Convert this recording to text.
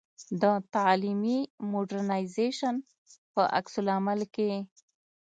د تعلیمي مډرنیزېشن په عکس العمل کې.